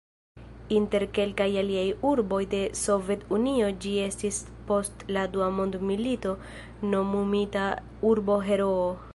Inter kelkaj aliaj urboj de Sovet-Unio ĝi estis post la Dua mondmilito nomumita "Urbo-Heroo".